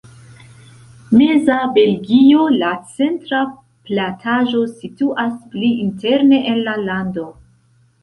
Meza Belgio, la centra plataĵo, situas pli interne en la lando.